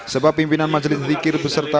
sebab pimpinan majelis zikir beserta